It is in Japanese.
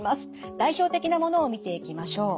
代表的なものを見ていきましょう。